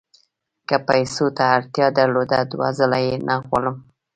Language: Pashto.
که پیسو ته اړتیا درلوده دوه ځله یې نه غواړم.